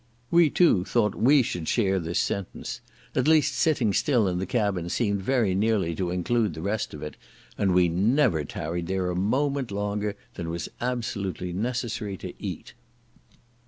We too thought we should share this sentence; at least sitting still in the cabin seemed very nearly to include the rest of it, and we never tarried there a moment longer than was absolutely necessary to eat.